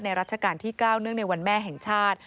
รัชกาลที่๙เนื่องในวันแม่แห่งชาติ